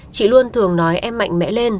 chị luôn thường nói em mạnh mẽ lên